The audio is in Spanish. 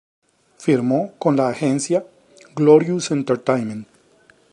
Firmó con la agencia "Glorious Entertainment".